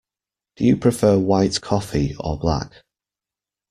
Do you prefer white coffee, or black?